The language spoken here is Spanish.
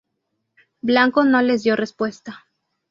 Blanco no les dio respuesta.